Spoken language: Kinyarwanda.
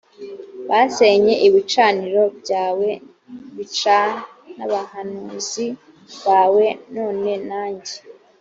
basenye ibicaniro byawe bica n abahanuzi bawe none nanjye